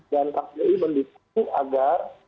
dan kpi mendiputi agar